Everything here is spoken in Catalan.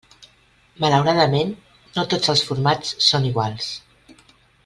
Malauradament, no tots els formats són iguals.